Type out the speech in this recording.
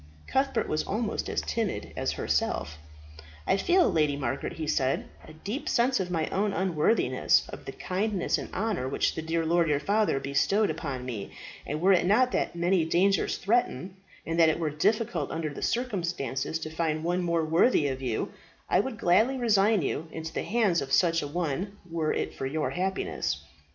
Cuthbert was almost as timid as herself. "I feel, Lady Margaret," he said, "a deep sense of my own unworthiness of the kindness and honour which the dear lord your father bestowed upon me; and were it not that many dangers threaten, and that it were difficult under the circumstances to find one more worthy of you, I would gladly resign you into the hands of such a one were it for your happiness.